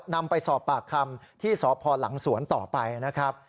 นำไปสอบปากคำที่สพหลังสวนต่อไปนะครับ